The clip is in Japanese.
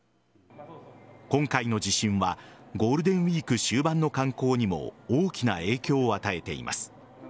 今回の地震はゴールデンウイーク終盤の観光にも大きな影響を与えています。